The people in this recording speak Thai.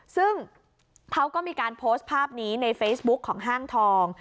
ซึ่งเขาก็มีการโพสต์ภาพนี้ในเฟซบุ๊กของห้างทอง